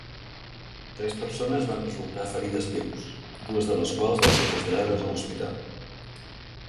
Tres persones van resultar ferides lleus, dues de les quals van ser traslladades a l'hospital.